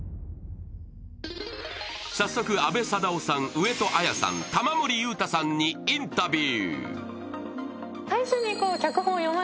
早速、阿部サダヲさん、上戸彩さん、玉森裕太さんにインタビュー。